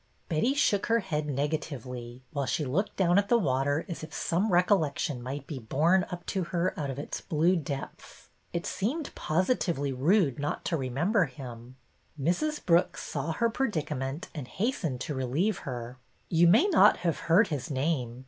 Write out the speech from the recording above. Betty shook her head negatively, while she looked down at the water as if some recollec tion might be borne up to her out of its blue depths. It seemed positively rude not to re member him. Mrs. Brooks saw her predicament and hastened to relieve her. '' You may not have heard his name.